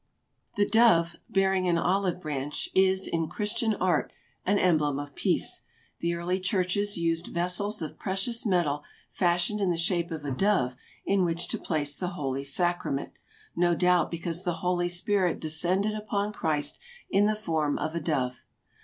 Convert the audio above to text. The dove, bearing an olive branch, is, in Christian art, an emblem of peace. The early churches used vessels of precious metal fashioned in the shape of a dove in which to place the holy sacrament, no doubt because the Holy Spirit descended upon Christ in the form of a dove.